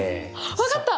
分かった！